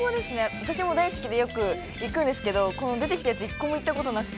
私も大好きでよく行くんですけどこの出てきたやついっこも行ったことなくて。